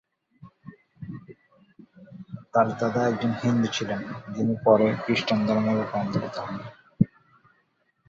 তার দাদা একজন হিন্দু ছিলেন, যিনি পরে খ্রিস্টান ধর্মে ধর্মান্তরিত হন।